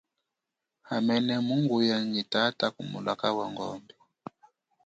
Hamene mungu ya nyi tata ku mulaka wa ngombe.